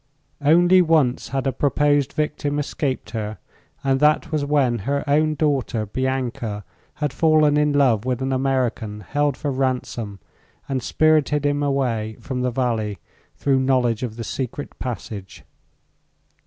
Only once had a proposed victim escaped her, and that was when her own daughter Bianca had fallen in love with an American held for ransom and spirited him away from the valley through knowledge of the secret passage.